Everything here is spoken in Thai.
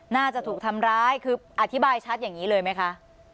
น่าจะถูกทำร้ายคืออธิบายชัดอย่างนี้เลยไหมคะ